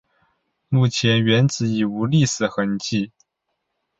目前原址已无历史痕迹。